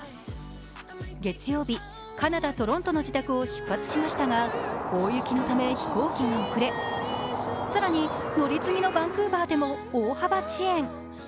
月曜日、カナダ・トロントの自宅を出発しましたが大雪のため、飛行機が遅れ更に、乗り継ぎのバンクーバーでも大幅遅延。